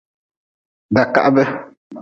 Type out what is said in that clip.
Rolarkahabe.